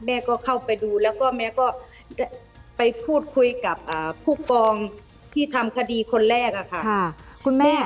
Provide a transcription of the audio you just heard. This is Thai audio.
แม่ก็เข้าไปดูแล้วก็แม่ก็ไปพูดคุยกับผู้กองที่ทำคดีคนแรกค่ะคุณแม่